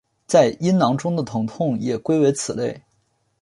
在阴囊中的疼痛也归为此类。